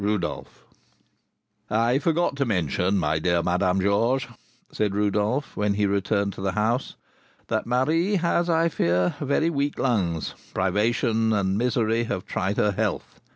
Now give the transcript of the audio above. Rodolph_. "I forgot to mention, my dear Madame Georges," said Rodolph, when he returned to the house, "that Marie has, I fear, very weak lungs, privations and misery have tried her health.